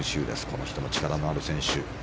この人も力のある選手。